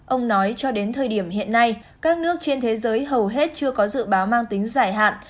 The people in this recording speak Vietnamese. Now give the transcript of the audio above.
ông nói cho đến thời điểm hiện nay các nước trên thế giới hầu hết chưa có dự báo mang tính giải hạn